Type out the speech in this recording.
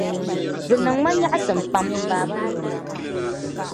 Di niŋ ma nyaɣisim pam n m-baba ni kuna maa.